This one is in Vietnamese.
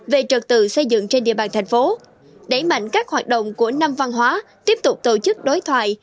về trật tự xây dựng trên địa bàn thành phố đẩy mạnh các hoạt động của năm văn hóa tiếp tục tổ chức đối thoại